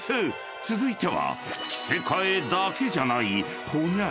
［続いては］